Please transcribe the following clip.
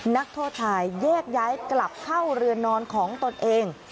นักโทษชายแยกย้ายกลับเข้าเรือนนอนของตนเอง